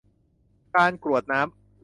การกรวดน้ำ